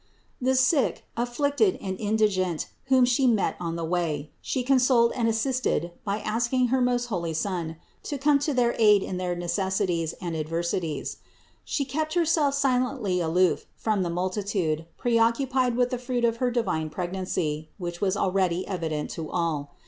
The sick, afflicted and indigent whom She met on the way, She consoled and assisted by asking her THE INCARNATION 387 most holy Son to come to their aid in their necessities and adversities. She kept Herself silently aloof from the multitude, preoccupied with the Fruit of her divine preg nancy, which was already evident to all.